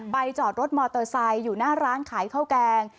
จอดรถมอเตอร์ไซค์อยู่หน้าร้านขายข้าวแกง